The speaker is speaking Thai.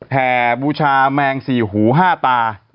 แห่บูชาแมงสี่หูห้าตา